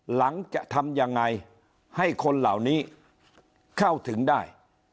หลังจะทำยังไงให้คนเหล่านี้เข้าถึงได้